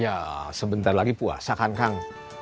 ya sebentar lagi puasa kan kang